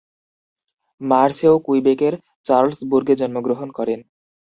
মার্সেও কুইবেকের চার্লসবুর্গে জন্মগ্রহণ করেন।